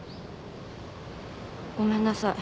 ごめんなさい。